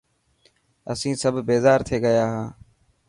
اسين سب بيزار ٿي گيا هان.